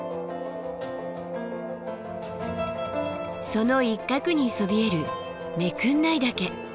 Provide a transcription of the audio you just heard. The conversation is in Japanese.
その一角にそびえる目国内岳。